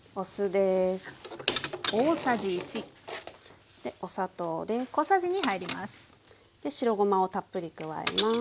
で白ごまをたっぷり加えます。